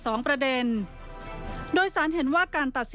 ตอบแบบว่าให้ไปผมเอาคำค่อยเอ้ย